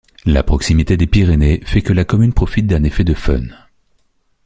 La proximité des Pyrénées fait que la commune profite d'un effet de foehn.